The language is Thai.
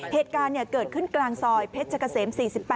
เหตุการณ์เกิดขึ้นกลางซอยเพชรเกษม๔๘